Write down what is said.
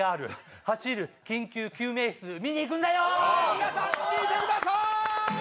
皆さん、見てくださーい。